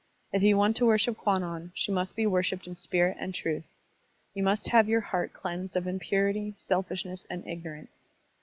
If you want to worship Kwannon, she must be worshiped in spirit and truth. You must have your heart cleansed of impurity, selfishness, and ignorance.